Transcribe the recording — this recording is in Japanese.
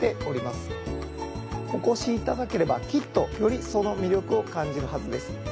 お越しいただければきっとよりその魅力を感じるはずです。